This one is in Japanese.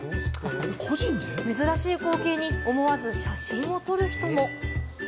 珍しい光景に思わず写真を撮る人も。